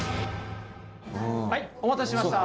はいお待たせしました。